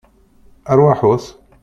Arwaḥut!